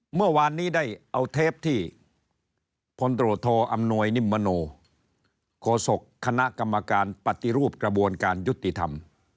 เมื่อวานนี้ได้เอาเทปที่พลตรวจโทอำนวยนิมมโนโฆษกคณะกรรมการปฏิรูปกระบวนการยุติธรรม